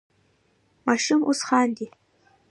ماشوم اوس خاندي.